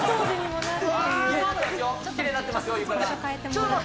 きれいになってますよ、床が。。